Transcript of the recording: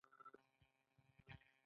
ذهن پاک ساتئ